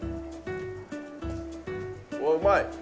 うまい！